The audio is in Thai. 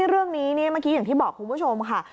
เรื่องนี้เมื่อกี้อย่างที่บอกคุณผู้ชมค่ะ